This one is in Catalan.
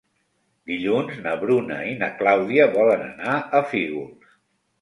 Dilluns na Bruna i na Clàudia volen anar a Fígols.